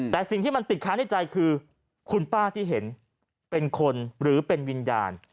แต่สิ่งที่มันติดค้างในใจคือคุณป้าที่เห็นเป็นคนหรือเป็นวิญญาณ